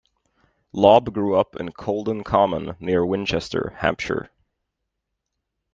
Lobb grew up in Colden Common near Winchester, Hampshire.